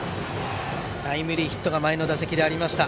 タイムリーヒットが前の打席でありました。